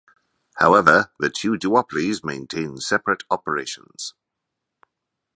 However, the two duopolies maintain separate operations.